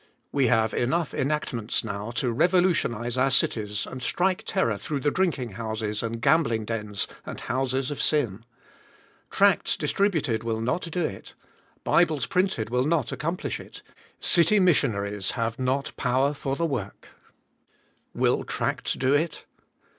We have enough enactments now to revolutionize our cities and strike terror through the drinking houses and gambling dens and houses of sin. Tracts distributed will not do it; Bibles printed will not accomplish it; city missionaries have not power for the work. Will tracts do it?